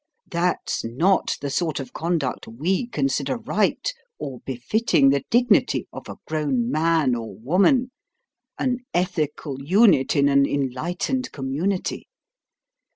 That's not the sort of conduct WE consider right or befitting the dignity of a grown man or woman, an ethical unit in an enlightened community.